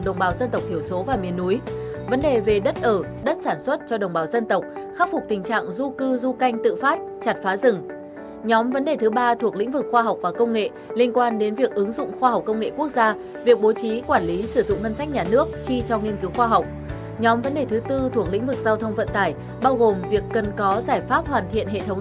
nhóm vấn đề thứ bốn thuộc lĩnh vực giao thông vận tải bao gồm việc cần có giải pháp hoàn thiện hệ thống giao thông